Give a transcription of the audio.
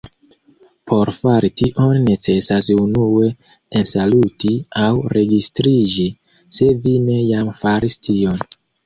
Por fari tion necesas unue ensaluti aŭ registriĝi, se vi ne jam faris tion.